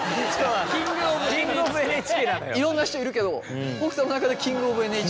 いろんな人いるけど北斗の中でキング・オブ・ＮＨＫ？